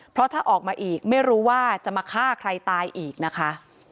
เพราะถ้าออกมาอีกไม่รู้ว่าจะมาฆ่าใครตายอีกนะคะ